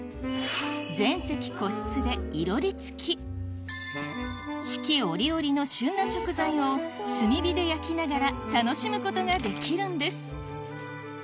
全席個室でいろり付き四季折々の旬な食材を炭火で焼きながら楽しむことができるんです